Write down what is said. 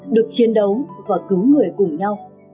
được chiến đấu và cứu người cùng nhau